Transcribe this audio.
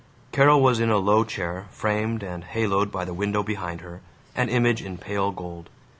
Carol was in a low chair, framed and haloed by the window behind her, an image in pale gold.